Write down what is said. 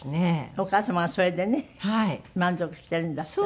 お母様がそれでね満足しているんだったら。